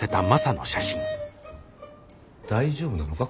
大丈夫なのか？